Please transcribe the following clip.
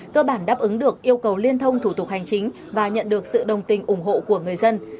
cơ bản đáp ứng được yêu cầu liên thông thủ tục hành chính và nhận được sự đồng tình ủng hộ của người dân